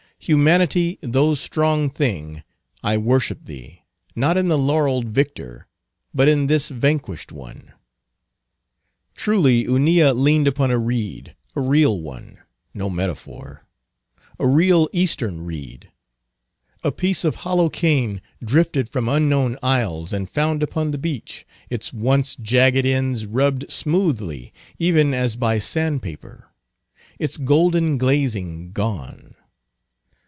Humanity, thou strong thing, I worship thee, not in the laureled victor, but in this vanquished one. Truly Hunilla leaned upon a reed, a real one; no metaphor; a real Eastern reed. A piece of hollow cane, drifted from unknown isles, and found upon the beach, its once jagged ends rubbed smoothly even as by sand paper; its golden glazing gone.